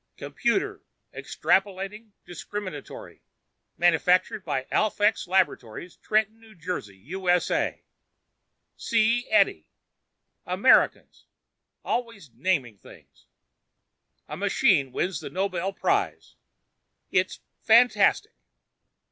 Computer, Extrapolating, Discriminatory. Manufactured by Alphax Laboratories, Trenton, New Jersey, U.S.A. C. Edie! Americans!! always naming things. A machine wins the Nobel Prize. It's fantastic!"